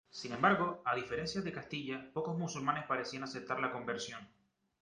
Sin embargo, a diferencia de Castilla, pocos musulmanes parecían aceptar la conversión.